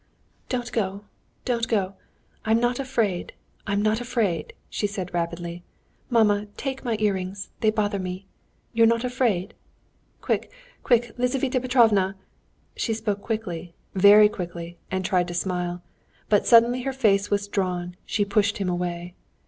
"Don't go, don't go! I'm not afraid, I'm not afraid!" she said rapidly. "Mamma, take my earrings. They bother me. You're not afraid? Quick, quick, Lizaveta Petrovna...." She spoke quickly, very quickly, and tried to smile. But suddenly her face was drawn, she pushed him away.